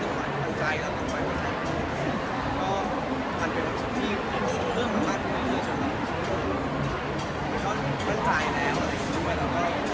แล้วอันนี้ถึงว่าเป็นประเทศนี้ตอนนี้จะมีใครอยู่ภารกิจ